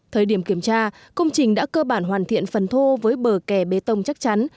thời điểm kiểm tra công trình đã cơ bản hoàn thiện phần thô với bờ kè bê tông chắc chắn